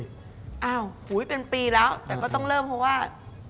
อ้าวหูยเป็นปีแล้วแต่ก็ต้องเริ่มเพราะว่า